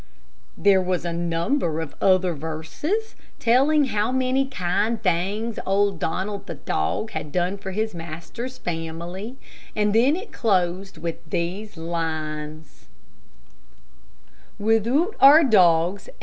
There was a number of other verses, telling how many kind things old Donald the dog had done for his master's family, and then it closed with these lines: "Withoot are dogs.